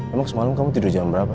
emang semalam kamu tidur jam berapa